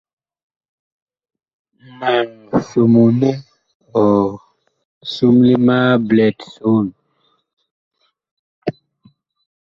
Mag somoo nɛ ɔ somle ma blɛt soon.